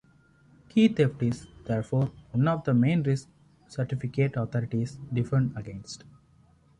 Key theft is therefore one of the main risks certificate authorities defend against.